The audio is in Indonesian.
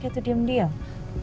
nanti dia bisa berdiam diam